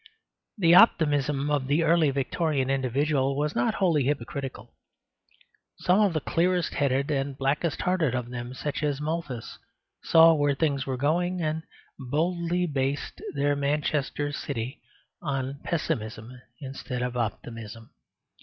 The optimism of the early Victorian Individualists was not wholly hypocritical. Some of the clearest headed and blackest hearted of them, such as Malthus, saw where things were going, and boldly based their Manchester city on pessimism instead of optimism.